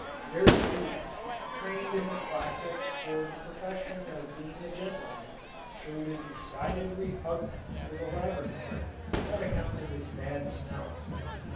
Their students, trained in the classics for the profession of being a gentleman, showed a decided repugnance to the laboratory on account of its bad smells.